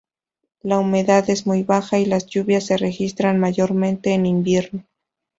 La humedad es muy baja y las lluvias se registran mayormente en invierno.